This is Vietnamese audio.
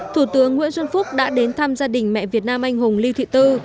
thủ tướng nguyễn xuân phúc đã đến thăm gia đình mẹ việt nam anh hùng lưu thị tư